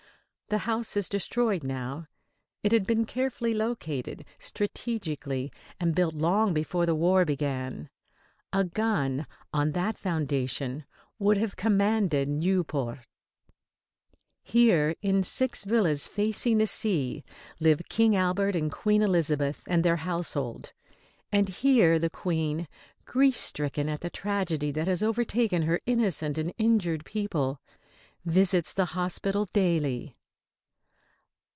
The house is destroyed now. It had been carefully located, strategically, and built long before the war began. A gun on that foundation would have commanded Nieuport. Here, in six villas facing the sea, live King Albert and Queen Elisabeth and their household, and here the Queen, grief stricken at the tragedy that has overtaken her innocent and injured people, visits the hospital daily.